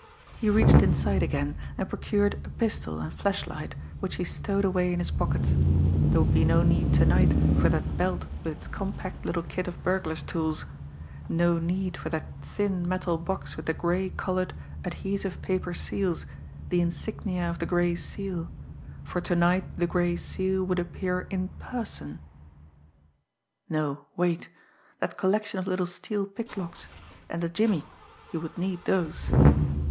He reached inside again, and procured a pistol and flashlight, which he stowed away in his pockets; there would be no need to night for that belt with its compact little kit of burglar's tools; no need for that thin metal box with the gray coloured, adhesive paper seals, the insignia of the Gray Seal, for to night the Gray Seal would appear in person. No wait! That collection of little steel picklocks and a jimmy! He would need those.